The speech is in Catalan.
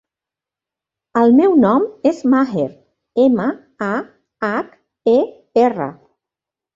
El meu nom és Maher: ema, a, hac, e, erra.